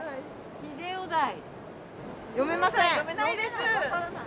読めないです。